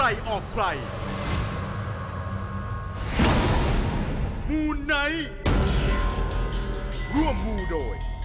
ร่วมมูลโดย